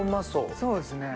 そうですね。